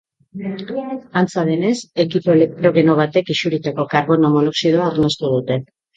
Antza denez, ekipo elektrogeno batek isuritako karbono monoxidoa arnastu dute.